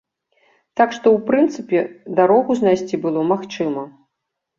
Так што ў прынцыпе дарогу знайсці было магчыма.